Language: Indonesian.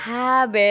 gak apa apa sih